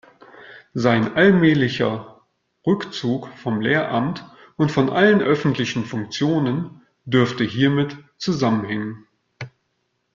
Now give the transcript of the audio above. Sein allmählicher Rückzug vom Lehramt und von allen öffentlichen Funktionen dürfte hiermit zusammenhängen.